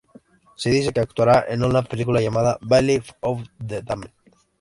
Se dice que actuará en una película llamada "Valley of the Damned".